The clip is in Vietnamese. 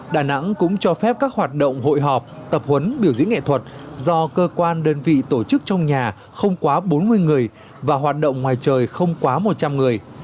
đà nẵng cũng cho phép các hoạt động hội họp tập huấn biểu diễn nghệ thuật do cơ quan đơn vị tổ chức trong nhà không quá bốn mươi người và hoạt động ngoài trời không quá một trăm linh người